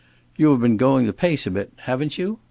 You have been going the pace a bit, haven't you?